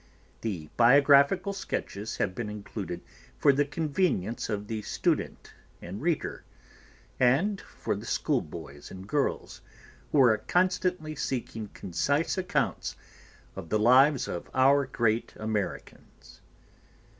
The biographical sketches have been included for the convenience of the student and reader, and for the schoolboys and girls, who are constantly seeking concise accounts of the lives of our great Americans.